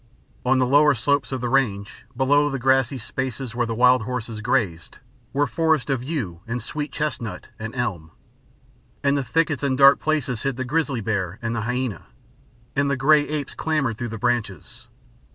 On the lower slopes of the range, below the grassy spaces where the wild horses grazed, were forests of yew and sweet chestnut and elm, and the thickets and dark places hid the grizzly bear and the hyæna, and the grey apes clambered through the branches.